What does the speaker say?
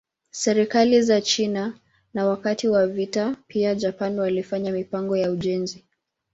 Serikali za China na wakati wa vita pia Japan walifanya mipango ya ujenzi.